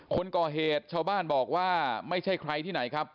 คนก่อเหตุชาวบ้านบอกว่าไม่ใช่ใครที่ไหนครับ